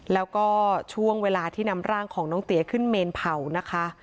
แล้วก็ช่วงเวลาที่นำร่างของน้องเตี๋ยขึ้นเมนเผานะคะ